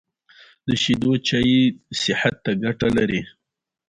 بېتوجهي وېښتيان خرابوي.